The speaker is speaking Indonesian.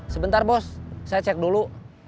sebentar bos saya cek dulu